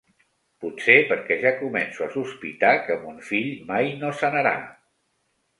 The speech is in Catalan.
Potser perquè ja començo a sospitar que mon fill mai no sanarà.